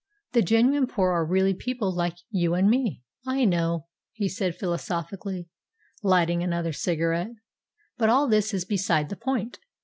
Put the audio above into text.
The genuine poor are really people like you and me." "I know," he said philosophically, lighting another cigarette. "But all this is beside the point.